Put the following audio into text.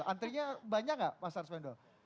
antrinya banyak nggak mas arswendo